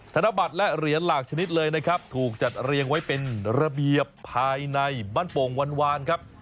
ธนบัตรและเหรียญหลากชนิดเลยนะครับถูกจัดเรียงไว้เป็นระเบียบภายในบ้านโป่งวานครับ